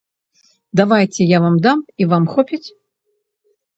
Давайце, я вам дам, і вам хопіць?